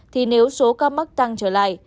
thì nếu số ca mắc tăng trở lại